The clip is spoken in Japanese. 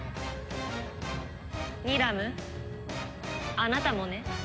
「ニラムあなたもね」